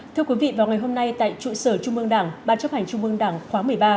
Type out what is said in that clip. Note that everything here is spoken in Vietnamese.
thưa quý vị vào ngày hôm nay tại trụ sở trung mương đảng ban chấp hành trung mương đảng khóa một mươi ba